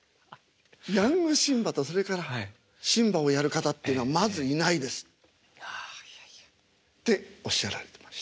「ヤングシンバとそれからシンバをやる方っていうのはまずいないです」。っておっしゃられてました。